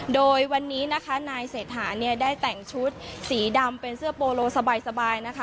โดยวันนี้นะคะนายเศรษฐาเนี่ยได้แต่งชุดสีดำเป็นเสื้อโปโลสบายนะคะ